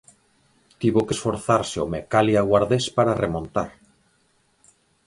Tivo que esforzarse o Mecalia Guardés para remontar.